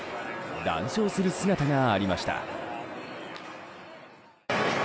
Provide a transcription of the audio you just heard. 談笑する姿がありました。